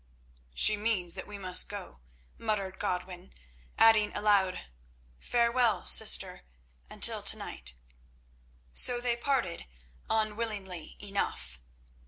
"She means that we must go," muttered Godwin, adding aloud, "farewell, sister, until tonight." So they parted, unwillingly enough.